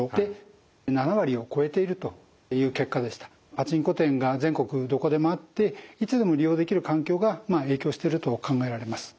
パチンコ店が全国どこでもあっていつでも利用できる環境が影響してると考えられます。